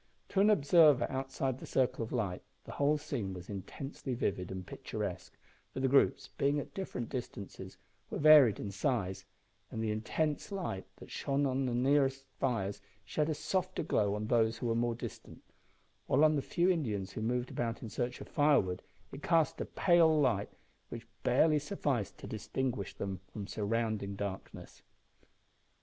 To an observer outside the circle of light the whole scene was intensely vivid and picturesque, for the groups, being at different distances, were varied in size, and the intense light that shone on those nearest the fires shed a softer glow on those who were more distant, while on the few Indians who moved about in search of firewood it cast a pale light which barely sufficed to distinguish them from surrounding darkness.